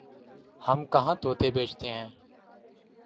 ہم کہاں طوطے بیچتے ہیں